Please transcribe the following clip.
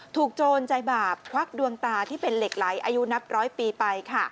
โจรใจบาปควักดวงตาที่เป็นเหล็กไหลอายุนับร้อยปีไป